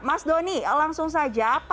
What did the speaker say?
mas doni langsung saja